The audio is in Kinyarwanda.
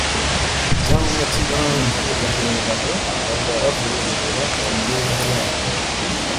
Ibyangombwa by ‘ibanze baheraho bavugurura imibereho yabo .